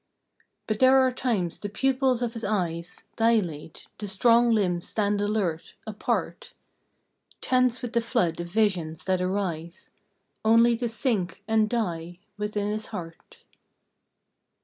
But there are times the pupils of his eyes Dilate, the strong limbs stand alert, apart, Tense with the flood of visions that arise Only to sink and die within his heart.